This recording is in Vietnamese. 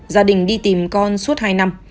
gia đình đi tìm con suốt hai năm